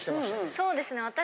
そうですね。